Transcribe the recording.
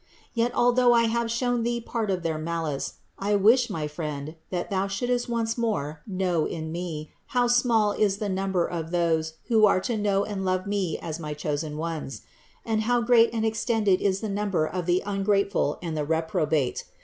Yet, although I have shown thee part of their malice, I wish, my friend, that thou shouldst once more know in Me, how small is the number of those who are to know and love me as my chosen ones; and how great and extended is the number of the ungrateful and the reprobate.